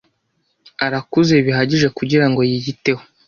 Arakuze bihagije kugirango yiyiteho.